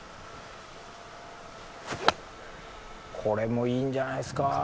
これもいいんじゃないですか。